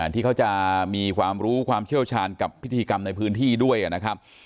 ที่เขาจะมีความรู้ความเชี่ยวชาญกับพิธีกรรมในพื้นที่ด้วยนะครับ